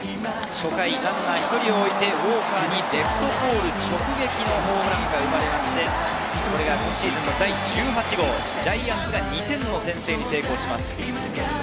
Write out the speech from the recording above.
初回ランナー１人をおいて、ウォーカーにレフトポール直撃のホームランが生まれて、シーズン第１８号、ジャイアンツが２点先制します。